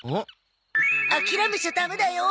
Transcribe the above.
諦めちゃダメだよ。